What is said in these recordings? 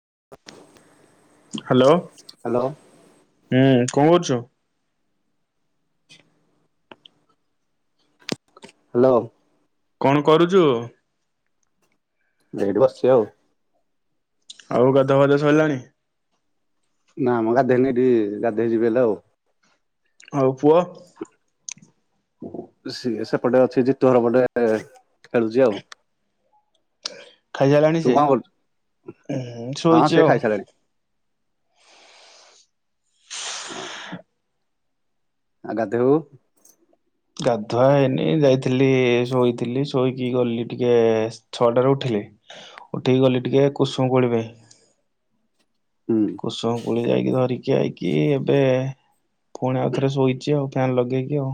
[unintelligible] Hello hello ହୁଁ କଣ କରୁଛୁ ହ୍ୟାଲୋ କଣ କରୁଛୁ ଏଇଠି ବସିଛି ଆଉ ଆଉ ଗାଧୁଆ ପାଧୁଆ ସରିଲାଣି ନା ମ ଗାଧୋଇନି ଏଠି ଗାଧୋଇ ଯିବି ହେଲେ ଆଉ ଆଉ ପୁଅ ସେ ସେପଟେ ଅଛି ଯେହେତୁ ଏପଟେ ଚାଲିଛି ଆଉ ଖାଇ ସାରିଲାଣି ତୁ ସେ କଣ କରୁଛୁ? ହଁ ସେ ଶୋଇଛି ଆଉ ଖାଇସାରିଲାଣି। ହଁ ଆଉ ଗାଧୋଇବୁ ଗାଧୁଆ ହେଇନି ଯାଇଥିଲି ଶୋଇଥିଲି ଶୋଇକି ଗଲି ଟିକେ ଛଅଟାରେ ଉଠିଲି ଉଠିକି ଗଲି ଟିକେ କୁସୁମ କୋଳି ପାଇଁ ହୁଁ କୁସୁମ କୁଳି ଯାଇକି ଧରିକି ଯାଇକି ଏବେ ପୁଣି ଆଉଥରେ ଶୋଇଛି ଆଉ ଫ୍ୟନ୍ ଲଗେଇକି ଆଉ,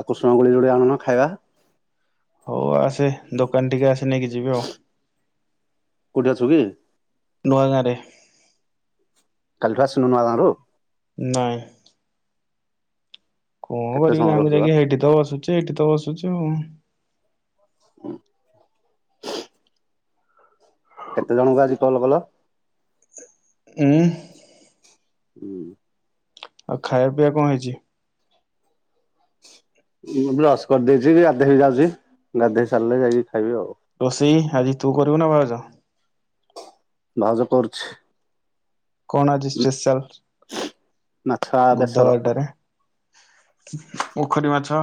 ଆଉ କୃଷ୍ଣ ଗୁଳି ଯୋଡି ଆଣୁନ ଖାଇବା, ହଉ ଆସେ ଦୋକାନ ଟିକେ ଆସି ନେଇକି ଯିବି ଆଉ ଚୁ କି ନ ଅ ଗାଁରେ, କାଲିଠୁ ଆସିନୁ ନୁଆ ଗାଁରୁ ନାଇଁ, କଣ କେତେ କରିବି ସମୟ ଗାଁକୁ ରହୁଛୁ ବା। ଯାଇକି ସେଇଠି ତ ବସୁଟି ଏଠି ତ ତ ବସୁଛୁ ଆଉ କେତେ ଜଣଙ୍କୁ ଆଜି କଲ କଲ ଉଁ ହୁଁ, ଆଉ ଖାଇବା ପିଇବା କଣ ହେଇଛି? ମୁଁ ବ୍ରସ କରିଦେଇଛି ଗାଧୋଇ ଯାଉଚି ଗାଧେଇ ସାରିଲେ ଯାଇକି ଖାଇବି ଆଉ। ରୋଷେଇ, ଆଜି ତୁ କରିବୁନା ଭାଉଜ ଭାଉଜ କରୁଛି, କଣ ଆଜି ମାଛ ସ୍ପେଶାଲ ବେସର। ବୁଧବାରଟାରେ, ପୋଖରୀ ମାଛ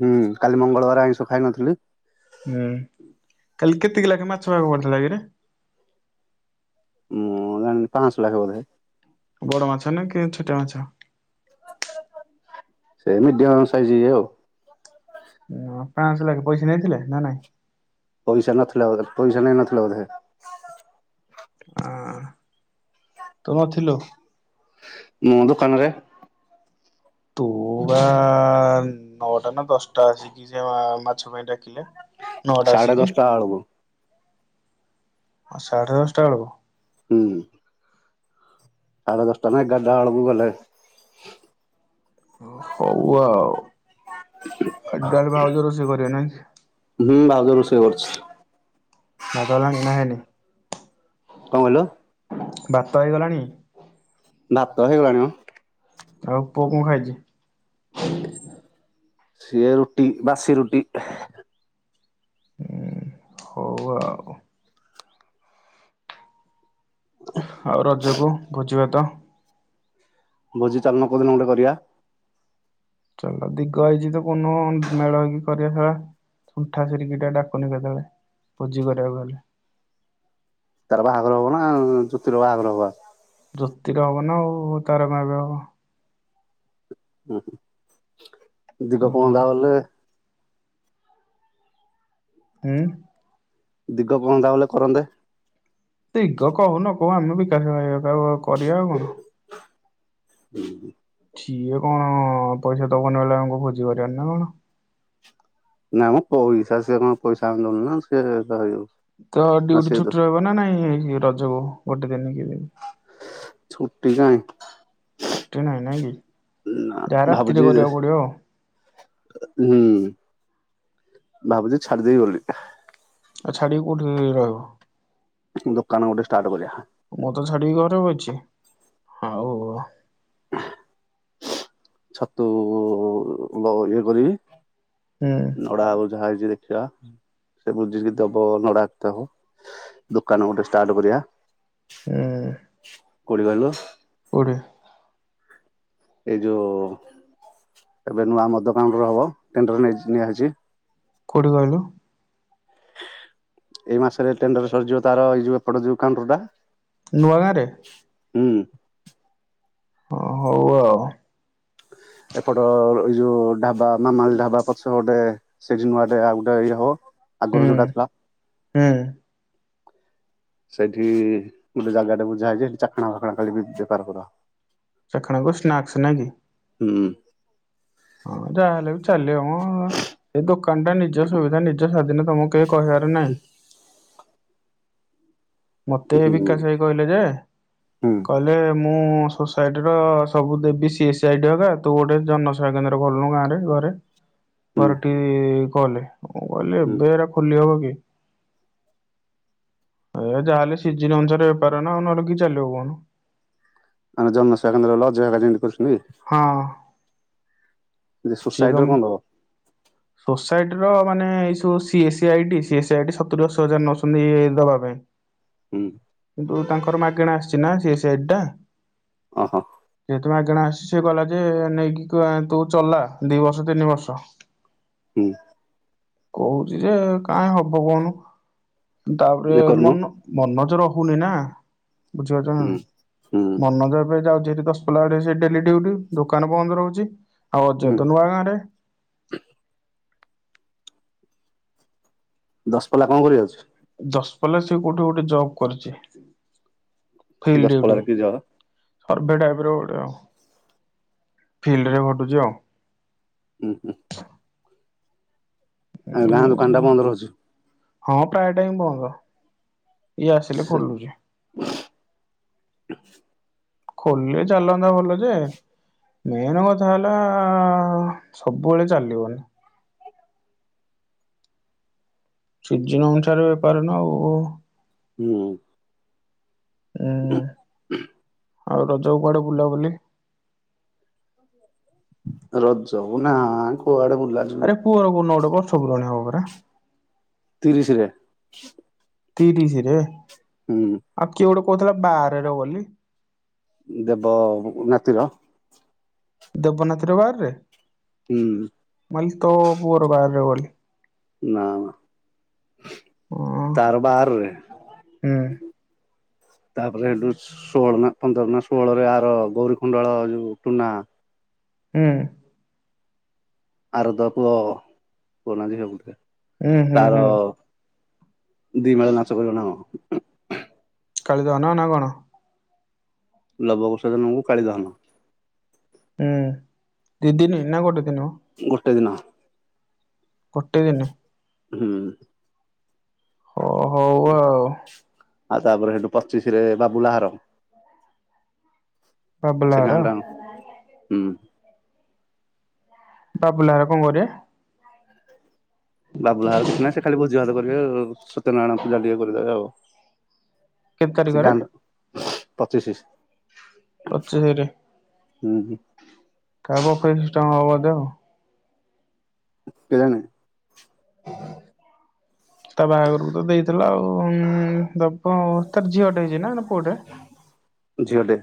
ହୁଁ କାଲି ମଙ୍ଗଳବାର ଆଇିଷ ଖାଇନଥିଲି ହୁଁ, କାଲି କେତେ କିଲେ ଲେଖ ମାଛ ଭାଗ ପଡ଼ିଥିଲା କିରେ? ମୁଁ ଜାଣିନି ପାଞ୍ଚଶହ ଲେଖା ବୋଧେ, ବଡ଼ ମାଛ ନା କିି ଛୋଟ ମାଛ, ସେ ମିଡିୟମ ସାଇଜ ଇ ଆଉ ହଁ ପାଶହ ଲେକ୍ଷେପଇସା ନେଇଥିଲେ ନା ନାଇଁ? ପଇସା ନଥିଲା ବୋଧେ ପଇସା ନେଇଁନଥିଲ ବୋଧେ। ଆ ତୁ ଥିଲୁ ମୁଁ ଦୋକାନରେ ତୁ ବା ନଅଟା ନା ଦଶଟା ଆସିକି ସେ ମାଛ ପାଇଁ ଡାକିଲେ। ସାଢ଼େ ଦଶଟା ଆଳ କୁ ସାଢେଦଶଟା ବେଳକୁ ହୁଁ। ସାଢେ ଦଶଟା ନାଁ ଏଗାରଟା ବେଳକୁ ଗଲେ ହଉ ଆଉ ଏରାଗ ଟା ବେଳୁ ଭାଉଜ ରୋଷେଇ କରିବେ ନାଁ କି? ହୁଁ ଭାଉଜ କରୁଛି ରୋଷେଇ ଭାତ ହେଲାଣି ନାଁ ହେଇନି କଣ କହିଲ? ଭାତ ହେଇଗଲାଣି? ଭାତ ହେଇଗଲାଣି ମ। ଆଉ ପୁଅ କଣ ଖାଇଛି? ସିଏ ରୁଟି ବାସି ରୁଟି। ହୋଉ ଆଉ। ଆଉ ରଜକୁ ଭୋଜି ଭାତ ଭୋଜି ଚାଲୁନୁ କୋଉଦିନ ଗୋଟେ କରିବା? ଚଲ ଦିଗ ହେଇଛି ତ କୁନ ମେଳ ହେଇକି କରିବା ଶଳା ସୁଣ୍ଠା ସରିକି ଟା ଡାକୁନି କେତେବେଳେ ଭୋଜି କରିବାକୁ ହେଲେ। ତାର ବାହାର ହବ ନା ଜ୍ୟୋତିର ବାହାଘର ହବ? ଜ୍ୟୋତିର ହବ ନାଁ ଆଉ ତାର କଣ ଏବେ ହବ? ହୁଁ। [inaudible] ହୁଁ [inaudible] କନ୍ଦ ବଲେ। ଉଁ। ଦିଗ କହନ୍ତା ବୋଲେ କରନ୍ତେ। ଦିଗ କହୁନ କହୁ ଆମେ ବିକାଶ [inaudible] [inaudible] କରିବା ଆଉ କଣ? [inaudible] ସିଏ କଣ ପଇସା ଦବନି ବୋଲି ଆମେ କଣ ଭୋଜି କରିବାନି ନାଁ କଣ? ନାଁ ମ ପଇସା ସିଏ କଣ ପଇସା ଆମେ ଦୋଉନୁ ନା କଣ ସିଏ ଦେଇ ତ ଡିଉଟି ଛୁଟି ରହିବ ନା ନାଇଁ ରଜକୁ ଗୋଟେ ଦିନି କି ଦି ଦିନି। ଛୁଟି କାଇଁ ଛୁଟି ନାହିଁ ନାଇଁ କି? ନା ଯାହା ରାତିରେ ଭାବୁଛି ହୁଁ। କରିବାକୁ ପଡିବ ଆଉ ଭାବୁଛି ଛାଡି ଦେବି ବୋଲି। ଆଉ ଛାଡ଼ିକି କୋଉଠିି ରହିବ? ଦୋକାନ ଗୋଟେ ଷ୍ଟାର୍ଟ କରିବା। [inaudible] ଅଛି ହୋଉ [inaudible] ଛତୁ [inaudible] କରିକି? ହୁଁ ହୁଁ ନଡା ଆଉ ଯାହା ହେଇଚି ଦେ [unintelligible] ସେ ବୁଝି ଦେବ ନଡ଼ାକଥା ହବ ଦୋକାନ ଗୋଟେ ଷ୍ଟାର୍ଟ କରିବା। ହୁଁ। କୋଉଠି କହିଲୁ? କୋଉଠି? ଏଇ ଯୋଉ ଏବେ ନୂଆ ମଦ କାଉଣ୍ଟର ହବ ଟେଣ୍ଡର ନିଆହେଇଛି। କୋଉଠି କହିଲୁ? ଏଇ ମାସରେ ଟେଣ୍ଡର ସରିଯିବ ତାର ଏଇ ଯୋଉ ଏପଟେ ଯୋଉ କାଉଣ୍ଟର ଟା। ନୂଆ ଗାଁରେ? ହୁଁ ହଁ ହଉ ଆଉ। ଏପଟ ଏଇ ଯୋଉ ଢାବା ମାମାଲି ଢାବା ପଛ ପଟେ ସେଇଠି ନୂଆଟେ ଆଉ ଗୋଟେ ଇଏ ହବ। ଆଗରୁ ହୁଁ ଯୋଉଟା ଥିଲା। ହୁଁ ସେଇଠି ଗୋଟେ ଜାଗା ଟା ବୁଝା ହେଇଛି ଚାଖଣା ଫାଖଣା ଖାଲି ବି ବେପାର କରାହବ। ଚାଖଣାକୁ ସ୍ନାକ୍ସ ନା କି‌? ହୁଁ। ହଁ ଯାହାହେଲେ ବି ଚାଲିବ ମ ଏଇ ଦୋକାନ ଟା ନିଜ ସୁବିଧା ନିଜ ସ୍ଵାଧୀନ ତମକୁ କେହି କହିବାର ନାହିଁ। ମତେ ହୁଁ ବିକାଶ ଭାଇ କହିଲେ ଯେ ହୁଁ କହିଲେ ମୁଁ ସୋସାଇଟି ର ସବୁ ଦେବି ସିଏ ସାଇଡ଼ ରା ତୁ ଗୋଟେ ଜନସେବା କେନ୍ଦ୍ର ଖୋଲନୁ ଗାଁ ରେ ଘରେ। ହୁଁ ପର ଏଟି କଲେ ମୁଁ କହିଲି ହୁଁ ଏବେ ଏରା ଖୋଲି ହବ କି? ଏ ଯାହାହେଲେ ସିଜିନ ଅନୁସାରେ ବେପାର ନା ନହେଲେ କି ଚାଲିବ କହୁନୁ। ମାନେ ଜନସେବା କେନ୍ଦ୍ର ବାଲା ଅଜୟ ହେରୀକା ଯେମିତି କ ହଁ। ଯେ ସୋସାଇଡରେ କଣ ଦବ? ସାଇଟ୍ ର ମାନେ ଏଇ ସବୁ ସିଏ ସାଇଡି ସିଏ ସାଇଟି ସତୁରି ଅଶି ହଜାର ନେଉଛନ୍ତି ଦବା ପାଇଁ। ହୁଁ କିନ୍ତୁ ତାଙ୍କର ମାଗଣା ଆସେ ନା ସେ ସାଇଟ୍ ଟା ଓହୋ ଯେହେତୁ ମାଗେଣା ଆସି ସେ କହିଲା ଯେ ନେଇକି ତୁ ଚଲା। ଦି ବର୍ଷ ତିନି ବର୍ଷ ହୁଁ। କହୁଛି ଯେ କାଇଁ ହବ କହୁନୁ। ତାପରେ ଯେ କରୁନୁ ମନ ମନଜ ର [unintelligible] ବୁଝିପାରୁଛ ନା ହୁଁ ହୁଁ ନାହିଁ ମନୋଜ ଏବେ ଯାଉଛି ସେଠି ଦଶପଲ୍ଲାରେ ସେ ଡେଲି ଡ୍ୟୁଟି ଦୋକାନ ବନ୍ଦ ରହୁଛି ଆଉ ହୁଁ [unintelligible] ଗାଁରେ ଦଶପଲ୍ଲା କଣ କରିବାକୁ ଯାଉଛି? ଦଶପଲ୍ଲା ସେ କୋଉଠି ଗୋଟେ ଜବ୍ କରିଛି। ଫିଲ୍ଡ ଡ୍ୟୁଟି ଦଶପଲ୍ଲାରେ କି ଜବ୍? ସର୍ଭେ ଟାଇପର ଗୋଟେ। ଫିଲ୍ଡ ରେ ଖଟୁଛି ଆଉ। ହୁଁହୁଁ। [inaudible] ଗାଁ ଏମିତି ଦୋକାନଟା ଆଉ। ବନ୍ଦ ରହୁଛି? ହଁ ପ୍ରାୟ ଟାଇମ୍ ବନ୍ଦ। ଇଏ ଆସିଲେ ଖୋଲୁଛି। ଖୋଲିଲେ ଚାଲନ୍ତା ଭଲ ଯେ, ମେନ୍ କଥା ହେଲାଆଆ ସବୁବେଳେ ଚାଲିବନି। ସିଜିନ୍ ଅନୁସାରେ ବେପାର ନା ଆଉଉଉ ହୁଁ ଉଁ ଉଁ ଆଉ ରଜ କୁଆଡେ ବୁଲାବୁଲି? ରଜକୁ ନାଇ କୁଆଡେ ବୁଲି ଆରେ ପୁଅର କୋଉନ ଗୋଟ ବଛ ପୂରଣ ହବ ପରା ତିରିଶରେ। ତିରିଶିରେ? ଆ କିଏ ଗୋଟେ କହୁଥିଲା ବାର ରେ ବୋଲି ଦେବ ନାତିର ଦେବନାଥର ବାରରେ? ହୁଁ ମୁଁ ଭାବିଲି ତୋ ପୁଅର ବାରରେ ବୋଲି ନା ନା। ହଁ ତାର ବାରରେ। ହୁଁ ତାପରେ ଏଇଠି ଷୋହଳ ନା ପନ୍ଦର ନା ଷୋହଳରେ ଆର ଗୌରୀ କୁଣ୍ଡଳ ଯୋଉ ଟୁନା ହୁଁ। ଆରଦ ପୁଅ, ପୁଅ ନା ଝିଅ ଗୋଟିକା ହୁଁ ହୁଁ ହୁଁ। ଦି [unintelligible] ନାଚ କରିବ ନା କଣ? କାଲି [unintelligible] ନା କଣ? ଲବକୁଶ ଜନ୍ମକୁ କାଳି ଦହନ ହୁଁ ଦି ଦିନି ନା ଗୋଟେ ଦି ଦିନ। ଟେ ଦିନ। ଗୋଟେ ଦିନି। ହୁଁ। ଓ ହଉ ଆଉ। ଆଉ ତାପରେ ସେଠୁ ପଚିଶ ରେ ବାବୁଲା ଘର ସେ ବାବୁଲାହାର ଗାଁ ଟା ହୁଁ। ବାବୁଲା ଘର କଣ କରିବେ? ବାବୁଲାର କିଛି ନାହିଁ ସେ ଖାଲି ଭୋଜିଭାତ କରିବେ ସତ୍ୟନାରାୟଣଙ୍କୁ ପୂଜା ଟିକେ କରିଦେବେ ଆଉ। କେତ ସେ ତାରିଖରେ? ଗାଁ ପଚିଶି ପଚିଶିରେ ଉଁ ହଁ। [unintelligible] ହବ ମଧ୍ୟ କେଜାଣି ତା ବାହାଘରକୁ ତ ଦେଇଥିଲା ଆଉ ଉଁ [unintelligible] ତାର ଝିଅ ଟେ ହେଇଛି ନା ପୁଅଟେ ଝିଅଟେ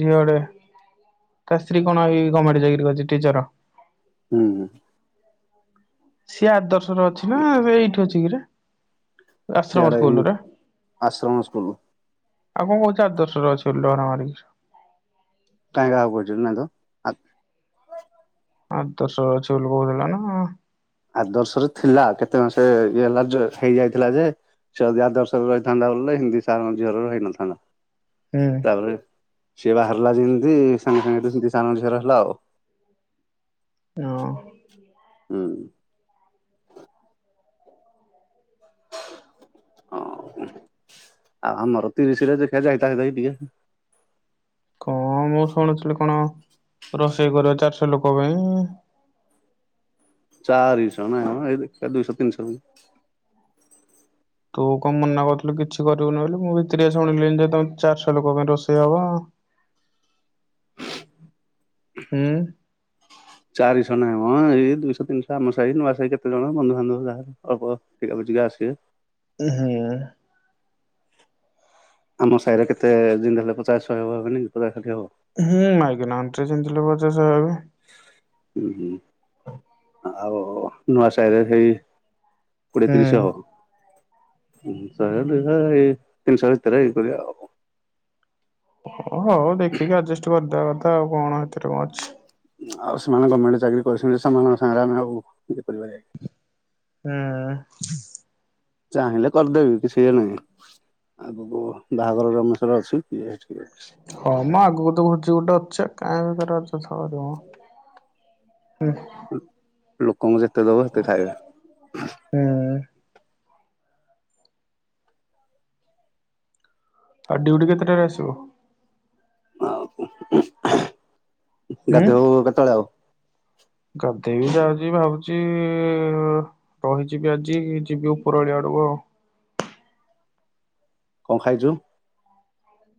ଝିଅଡେ ତା ସ୍ତ୍ରୀ କଣ ଏ ଗମେଣ୍ଟ ଚାକିରି କରିଛି ଟିଚର ହୁଁ ହୁଁ। ସିଏ ଆଦର୍ଶ [unintelligible] ଅଛି ନା ଏବେ ଏଇଠି ଅଛି? ଟିଙ୍ଗଟା ସିଆଡ ହିଁ ଆଶ୍ରମ ସ୍କୁଲ। ଆ କଣ କଉଚି ଆଦର୍ଶ ରେ ଅଛି ଡହରା ମାରିକି କାଇଁ କାହାକୁ କହିଛ ନା ତ ଆ ଆଦର୍ଶ ଅଛି ବୋଲି କହୁଥିଲା ନା ଆଦର୍ଶରେ ଥିଲା କେତେ ମାସେ ଇଏ ହେଲା ଯୋ ହେଇଯାଇଥିଲା ଯେ ସିଏ ଯଦି ଆଦର୍ଶରେ ରହିଥାନ୍ତା ବୋଲେ ହିନ୍ଦୀ ସାରଙ୍କ ଝିଅର ହେଇନଥାନ୍ତା। ହୁଁ ତାପରେ ସିଏ ପା ହାର୍ଲା ଯେମ ସେ ସାଙ୍ଗେ ସାଙ୍ଗେ ହେଟୁ ହିନ୍ଦୀ ସାର୍ ଙ୍କ ଝିଅର ହେ ବ୍ଲଗ୍ ହଁ। ହୁଁ। ଆଉ ଆଉ ଆମର ତିରିଶରେ ଦେଖିଆ ଯାଇଥାଇ ଟାକି ଟିକେ କଣ ମୁଁ ଶୁଣୁଥିଲି କଣ ରୋଷେଇ କର ଚାରିଶହ ଲୋକ ପାଇଁ- ଚାରିଶହ ନ ଏ ଦୁଇଶହ ତିନିଶହ- ତୁ କଣ ମନା କରୁଥିଲୁ କିଛି କରିବୁନି ବୋଲି ମୁଁ ଭିତରେଆ ଶୁଣିଲିଣି ଯେ ତମେ ଚାରିଶହ ଲୋକ ପାଇଁ ରୋଷେଇ ହବ- ହୁଁ ଚାରିଶହ ନହିଁ ଏଇ ଦୁଇଶହ ତିନିଶହ ଆମ ସାହି ନୂଆ ସାହି କେତେ ଜଣ ବନ୍ଧୁବାନ୍ଧବ ଅଳ୍ପ ଟା ପଜିକା ଆସିବେ- ହୁଁ [unintelligible] ଆମ ସାରେ କେତେ- ପଜାଛୟ ହେବି ପଜା ଖାଲି ହେବ- ହୁଁ ଆଁକିନା ତ ଚିତି ଲ ବ ସହାବ- ହୁଁ ହୁଁ ଆଉ ନୂଆ ସାହିରେ ସେଇ- କୋଡ଼ିଏ ତ୍ରିଶଶହ- ଇ ତିନିଶ ତରଇ କରି ଆ- [inaudible] ଓ ହଉ ଦେଖିକି ଆଡଜଷ୍ଟ କରିଦ- କ କଥା ଆଉ କଣ ଏଥିରେ କଣ ଅଛି- ଆଉ ସେମାନେ ଗଭର୍ଣମେଣ୍ଟ ଚାକିରରି କରିଛନ୍ତି ସେମାନଙ୍କ ସାଙ୍ଗରେ ଆମେ ଆଉ ଇଏ କରିବା- ହୁଁ। ଚାହିଁଲେ କରିଦେବି କିଛି ଇଏ ନାହିଁ ଆକୁ ବାହାଘର ରମେଶ୍ୱର ଅଛି। ହଁ ମ ଆଗକୁ ତ ଭୋଜି ଗୋଟେ ଅଛି କାହିଁକି ତ ଅଯଥା କରିବ ମ। ହୁଁ। ଲୋକ କଙ୍କୁ ଯେତେ ଦବ ସେତେ ଖାଇବେ। ହୁଁ ଆଉ ଡିଉଟି କେତେଟାରେ ଆସିବ? ଆଉ କଣ କହୁଚ? ହୁଁ ଗାଧେଇବ କେତେବେଳେ ଆଉ? ଗାଧେଇବି ଯାଉଚି ଭାବୁଛି ରହିଯିବି ଆଜି ଯିବି ଉପର ଆଳିଆ ଆଡକୁ ଆଉ। କଣ ଖାଇଚୁ?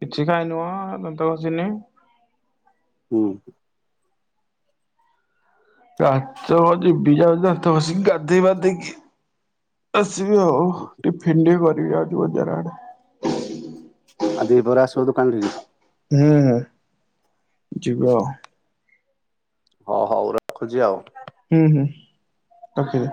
କିଛି ଖାଇନି ମ ଦାନ୍ତ ଘସିିନି। ହୁଁ। ରାଉଛିିବି ଯ ବ ଗାଧେଇ ବାଧେଇକି ଆସିବି ଆଉ ଟିଫିନ ଟିକେ କରିବି। ଏଇ ଯାଉଛି ବଜାର ଆଡେ। ଆ ଦି ପହର ଆସିବ ଦୋକାନ ଟିକେ। ହୁଁ ଯିବା ଆଉ। ହଁ ହୋଉ ରଖୁଛି ଆଉ। ହୁଁ ହୁଁ। ରଖିଦେ।